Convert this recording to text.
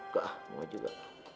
gak mau juga